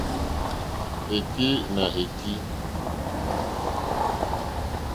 Èkí nà èkí.